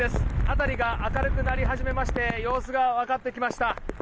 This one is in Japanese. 辺りが明るくなり初めまして様子が分かってきました。